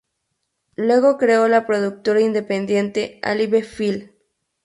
Luego creó la productora independiente Alive Films.